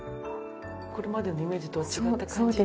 これまでのイメージとは違った感じ。